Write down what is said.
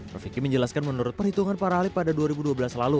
rofiki menjelaskan menurut perhitungan para ahli pada dua ribu dua belas lalu